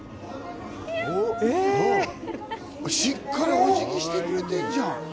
しっかりお辞儀してくれてんじゃん。